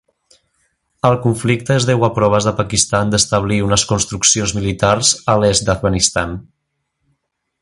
El conflicte es deu a proves de Pakistan d'establir unes construccions militars a l'est d'Afganistan.